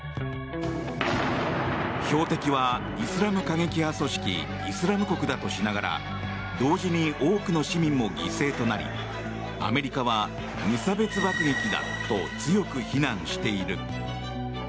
標的はイスラム過激派組織イスラム国だとしながら同時に多くの市民も犠牲となりアメリカは無差別爆撃だと強く非難している。